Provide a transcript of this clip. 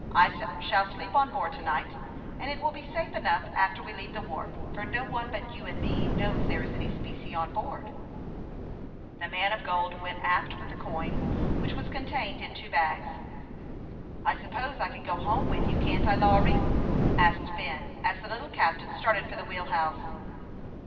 I shall sleep on board to night, and it will be safe enough after we leave the wharf, for no one but you and me knows there is any specie on board." The man of gold went aft with the coin, which was contained in two bags. THE YOUNG PILOT OF LAKE CHAMPLAIN. 277 "I suppose I can go home with you can't I, Lawry ?" asked Ben, as the little captain started for the wheel house.